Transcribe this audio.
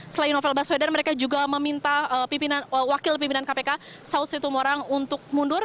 selain novel baswedan mereka juga meminta wakil pimpinan kpk saud situmorang untuk mundur